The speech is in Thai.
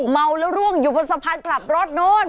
เมาแล้วร่วงอยู่บนสะพานกลับรถนู้น